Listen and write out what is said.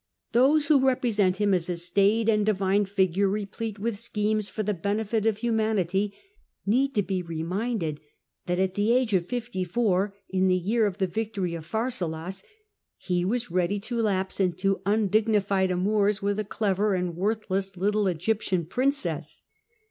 Those who repre sent him as a staid and divine figure replete with schemes for the benefit of Irunauity, need to be reminded that at the age of fifty four, in the year of the victory of Bharsalus, he was ready to lapse into undignified amours with a clever and worthless little Egyptian princess.